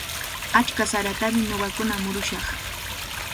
Achka saratami ñuqakuna murushaq.